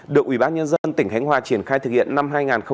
được ủy ban nhân dân tỉnh khánh hòa triển khai thực hiện năm hai nghìn một mươi ba